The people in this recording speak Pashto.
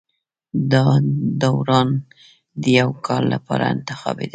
دا داوران د یوه کال لپاره انتخابېدل